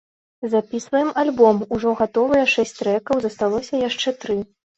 Запісваем альбом, ужо гатовыя шэсць трэкаў, засталося яшчэ тры.